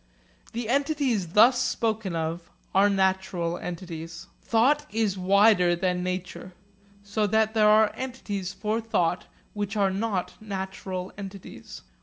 The entities thus spoken of are natural entities. Thought is wider than nature, so that there are entities for thought which are not natural entities.